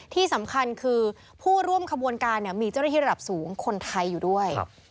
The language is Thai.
ที่สำคัญคือผู้ร่วมขบวนการมีเจ้าหน้าที่ระดับสูงคนไทยอยู่ด้วย